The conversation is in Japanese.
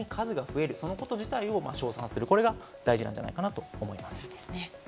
まず単純に数が増えること、そのこと自体を称賛することが大事じゃないかなと思っています。